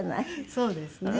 そうですね。